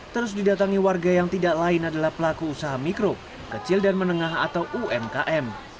terus didatangi warga yang tidak lain adalah pelaku usaha mikro kecil dan menengah atau umkm